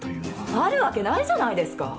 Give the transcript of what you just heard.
あるわけないじゃないですか！